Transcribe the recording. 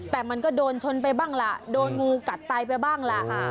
แต่มันก็โดนชนไปบ้างล่ะโดนงูกัดตายไปบ้างล่ะ